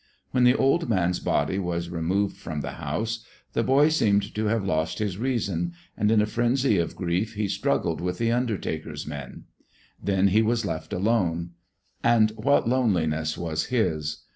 When the old man's body was removed from the house, the boy seemed to have lost his reason, and in a frenzy of grief he struggled with the undertaker's men. Then he was left alone. And what loneliness was his!